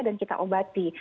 dan kita obati